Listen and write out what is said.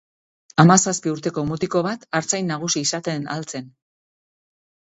Hamazazpi urteko mutiko bat artzain nagusi izaten ahal zen.